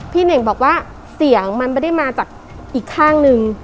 เน่งบอกว่าเสียงมันไม่ได้มาจากอีกข้างนึง